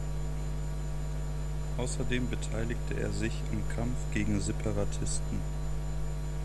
Außerdem beteiligte er sich am Kampf gegen Separatisten.